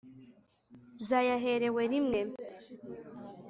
Zayaherewe rimwe